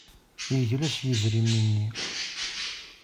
Yegla s yidrimen-nni.